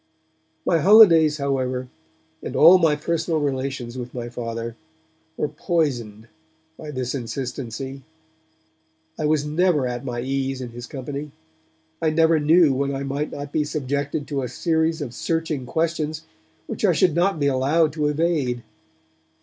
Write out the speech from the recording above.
My holidays, however, and all my personal relations with my Father were poisoned by this insistency. I was never at my ease in his company; I never knew when I might not be subjected to a series of searching questions which I should not be allowed to evade.